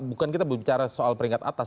bukan kita bicara soal peringkat atas